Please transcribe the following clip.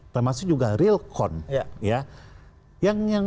termasuk juga realcon